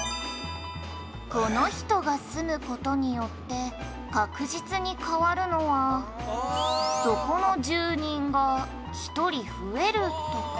「この人が住む事によって確実に変わるのはそこの住人が１人増えるとか？」